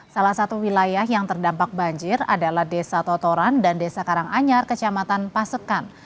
salah satu wilayah yang terdampak banjir adalah desa totoran dan desa karanganyar kecamatan pasekan